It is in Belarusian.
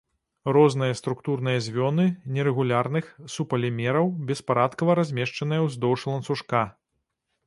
Розныя структурныя звёны нерэгулярных супалімераў беспарадкава размешчаныя ўздоўж ланцужка.